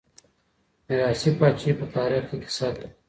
ميراثي پاچاهي په تاريخ کي کيسه ده.